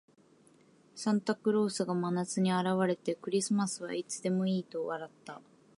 サンタクロースが真夏に現れて、「クリスマスはいつでもいい」と笑った。